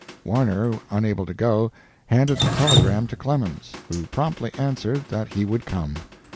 Warner, unable to go, handed the telegram to Clemens, who promptly answered that he would come.